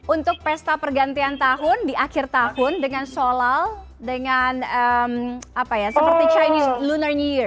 untuk pesta pergantian tahun di akhir tahun dengan sholal dengan seperti chinese lunar new year